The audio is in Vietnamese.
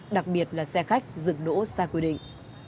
đặc biệt là xe khách dừng đỗ sai quy định